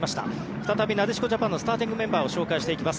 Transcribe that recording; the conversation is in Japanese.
再びなでしこジャパンのスターティングメンバーを確認していきます。